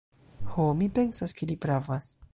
Ho, mi pensas ke li pravas.